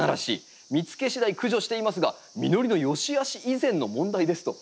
見つけしだい駆除していますが実りのよしあし以前の問題です」と。